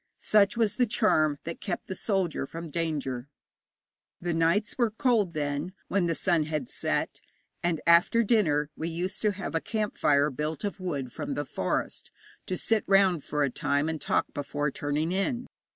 Such was the charm that kept the soldier from danger. The nights were cold then, when the sun had set, and after dinner we used to have a camp fire built of wood from the forest, to sit round for a time and talk before turning in.